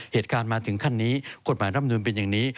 เหตุการณ์มาถึงขั้นนี้กฎหมายร่ำนูนเป็นอย่างนี้